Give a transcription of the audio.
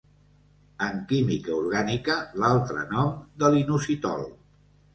En química orgànica, l'altre nom de l'inositol.